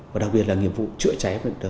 và đặc biệt là nghiệp vụ chữa cháy